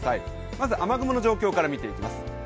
まず雨雲の状況から見ていきます。